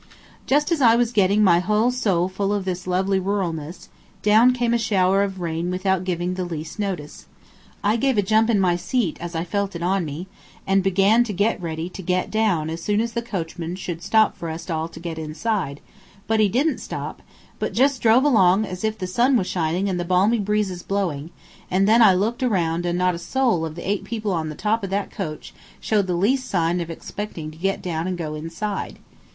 Just as I was getting my whole soul full of this lovely ruralness, down came a shower of rain without giving the least notice. I gave a jump in my seat as I felt it on me, and began to get ready to get down as soon as the coachman should stop for us all to get inside; but he didn't stop, but just drove along as if the sun was shining and the balmy breezes blowing, and then I looked around and not a soul of the eight people on the top of that coach showed the least sign of expecting to get down and go inside.